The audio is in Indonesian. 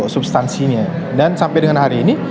substansinya dan sampai dengan hari ini